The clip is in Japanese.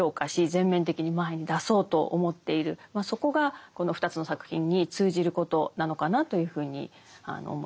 全面的に前に出そうと思っているそこがこの２つの作品に通じることなのかなというふうに思います。